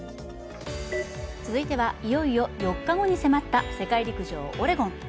続いては、いよいよ４日後に迫った世界陸上オレゴン。